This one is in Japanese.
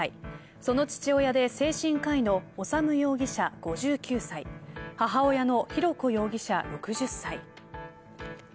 その父親で精神科医の修容疑者５９歳母親の浩子容疑者６０歳。